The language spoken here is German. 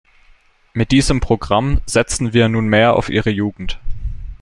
Mit diesem Programm setzen wir nunmehr auf ihre Jugend.